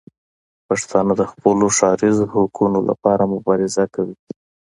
پښتانه د خپلو ښاریزو حقونو لپاره مبارزه کوي.